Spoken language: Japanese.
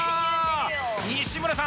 西村さん